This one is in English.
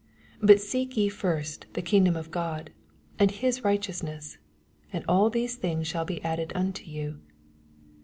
88 But seek y^ first the kingdom of God, and his righteousness ; and all these things shiul be added unto you.